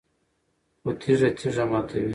خو تیږه تیږه ماتوي